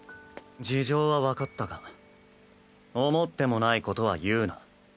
事情は分かったが思ってもないことは言うな。